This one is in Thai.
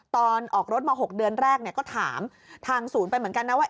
ตอนออกรถมา๖เดือนแรกก็ถามทางศูนย์ไปเหมือนกันนะว่า